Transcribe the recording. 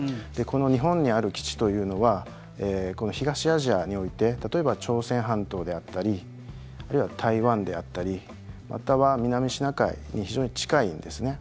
日本にある基地というのは東アジアにおいて例えば、朝鮮半島であったり台湾であったりまたは、南シナ海に非常に近いんですね。